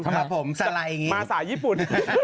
ครับผมสลายอย่างงี้มาสายญี่ปุ่น